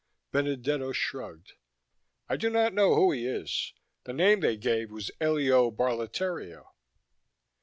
Benedetto shrugged. "I do not know who he is. The name they gave was Elio Barletteria."